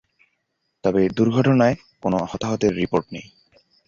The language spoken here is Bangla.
তবে দুর্ঘটনায় কোন হতাহতের রিপোর্ট নেই।